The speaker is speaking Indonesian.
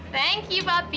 thank you papi